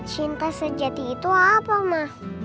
cinta sejati itu apa mas